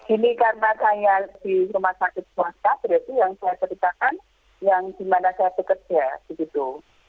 ini karena saya di rumah sakit swasta berarti yang saya ceritakan yang dimana saya bekerja begitu